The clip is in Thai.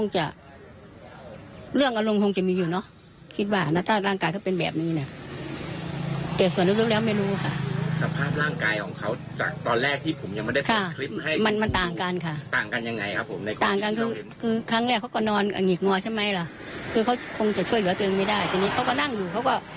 จะช่วยอยู่แล้วตัวเองไม่ได้ทีนี้เขาก็นั่งอยู่เขาก็